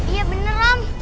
iya bener am